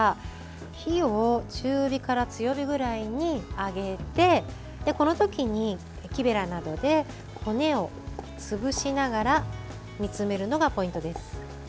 火を中火から強火ぐらいに上げてこの時に、木べらなどで骨を潰しながら煮詰めるのがポイントです。